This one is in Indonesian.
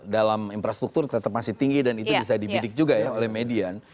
dalam infrastruktur tetap masih tinggi dan itu bisa dibidik juga ya oleh median